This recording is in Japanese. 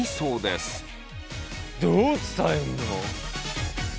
どう伝えんの！？